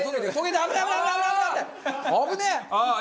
危ねえ！